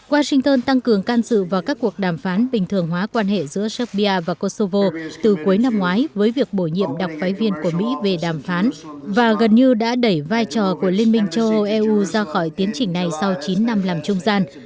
washington tăng cường can dự vào các cuộc đàm phán bình thường hóa quan hệ giữa serbia và kosovo từ cuối năm ngoái với việc bổ nhiệm đặc phái viên của mỹ về đàm phán và gần như đã đẩy vai trò của liên minh châu âu eu ra khỏi tiến trình này sau chín năm làm trung gian